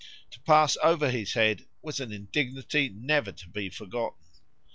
To pass over his head was an indignity never to be forgotten."